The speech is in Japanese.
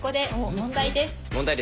問題です。